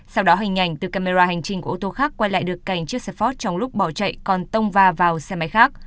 sau đó hình ảnh từ camera hành trình của ô tô khác quay lại được cảnh chiếc xe ford trong lúc bỏ chạy còn tông va vào xe máy khác